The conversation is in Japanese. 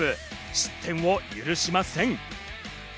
失点を許しません。